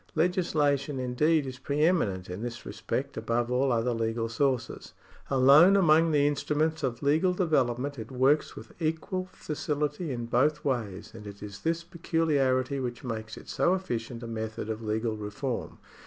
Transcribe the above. Legislation, indeed, is pre eminent in this respect above all other legal sources. Alone among the instruments of legal development, it works with equal facility in both ways ; and it is this peculiarity which makes it so efficient a method of legal reform.